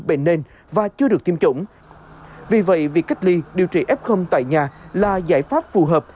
bệnh nền và chưa được tiêm chủng vì vậy việc cách ly điều trị f tại nhà là giải pháp phù hợp